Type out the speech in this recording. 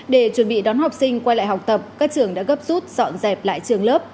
để chuẩn bị đón học sinh quay lại học tập các trường đã gấp rút dọn dẹp lại trường lớp